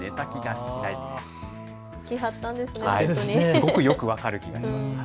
すごくよく分かる気がします。